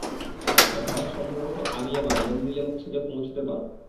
অর্থাৎ সম্ভবত আমি এবার মনযিলে মকসুদে পৌঁছতে পারব।